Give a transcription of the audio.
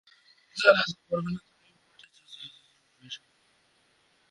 যারা তা পারবে না, তারা এই মঠে দৈনিক ছাত্রী-রূপে এসে পড়াশুনা করতে পারবে।